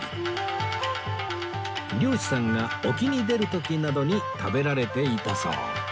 漁師さんが沖に出る時などに食べられていたそう